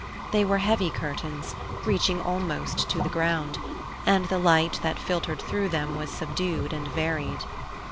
They were heavy curtains, reaching almost to the ground, and the light that filtered through them was subdued and varied.